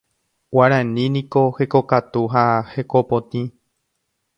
Guarani niko hekokatu ha hekopotĩ.